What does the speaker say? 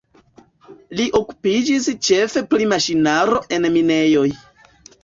Li okupiĝis ĉefe pri maŝinaro en minejoj.